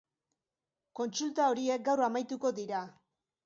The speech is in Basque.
Kontsulta horiek gaur amaituko dira.